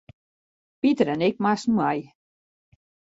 Piter en ik moasten mei.